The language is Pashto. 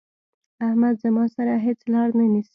احمد زما سره هيڅ لار نه نيسي.